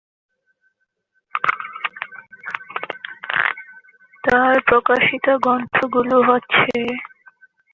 তার প্রকাশিত গ্রন্থগুলো হচ্ছে,